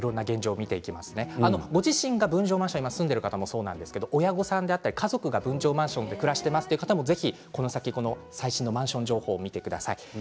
ご自身が分譲マンションに住んでいる方もそうですが親御さんや家族が分譲マンションに暮らしているという方もこの先の最新情報を見てください。